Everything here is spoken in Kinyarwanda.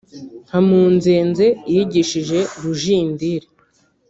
nka Munzenze yigishije Rujindiri